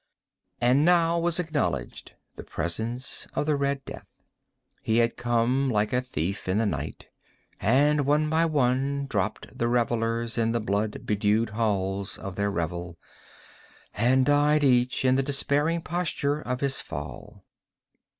And now was acknowledged the presence of the Red Death. He had come like a thief in the night. And one by one dropped the revellers in the blood bedewed halls of their revel, and died each in the despairing posture of his fall.